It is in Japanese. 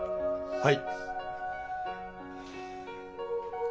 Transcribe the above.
はい。